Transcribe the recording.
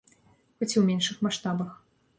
Хоць і ў меншых маштабах.